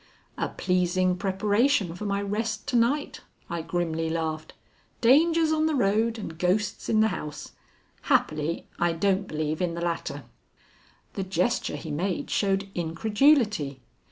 "A pleasing preparation for my rest to night," I grimly laughed. "Dangers on the road and ghosts in the house. Happily I don't believe in the latter." The gesture he made showed incredulity.